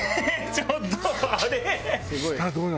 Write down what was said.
ちょっとあれ？